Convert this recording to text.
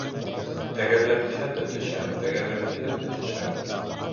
Тәгәрләп киләм дә төшәм, тәгәрләп киләм дә төшәм.